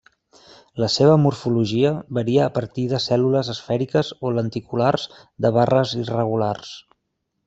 La seva morfologia varia a partir de cèl·lules esfèriques o lenticulars de barres irregulars.